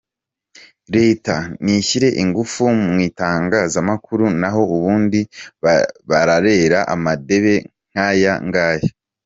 Leta nishyire ingufu mu itangazamakuru naho ubundi bararera amadebe nk’aya ngaya ?”.